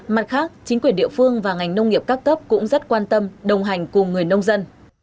mặt khác chính quyền địa phương và ngành nông nghiệp các cấp cũng rất quan tâm đồng hành cùng người nông dân